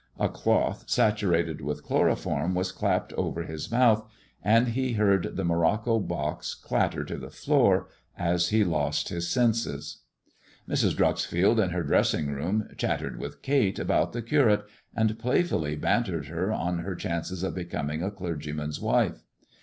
A cloth saturated with chloroform was clapped over his mouth, and he heard the morocco box clatter to the floor as he lost his senses* Mrs. Dreuxfield in her dressing room chattered with Kate about the Curate, and playfully bantered her on her chances of becoming a clergyman's wife.